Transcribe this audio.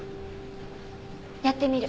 やってみる。